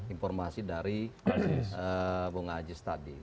informasi dari bung ajis tadi